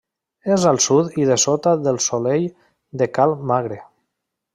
És al sud i dessota del Solell de Cal Magre.